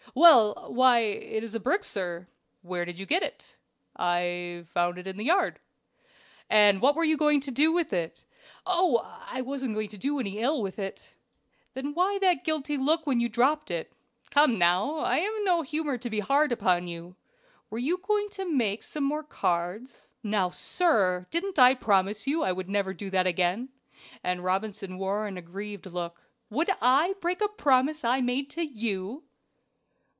"Well! why it is a brick, sir! "Where did you get it?" "I found it in the yard." "What were you going to do with it?" "Oh! I wasn't going to do any ill with it." "Then why that guilty look when you dropped it. Come, now I am in no humor to be hard upon you. Were you going to make some more cards?" "Now, sir, didn't I promise you I never would do that again;" and Robinson wore an aggrieved look. "Would I break a promise I made to you?"